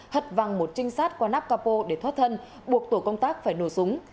hật văng một trinh sát qua nắp capo để thoát thân buộc tổ công tác phải nổ súng